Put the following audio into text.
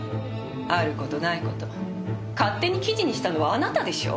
ある事ない事勝手に記事にしたのはあなたでしょ。